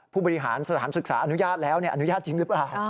ผู้บริหารสถานศึกษาอนุญาตแล้วอนุญาตจริงหรือเปล่า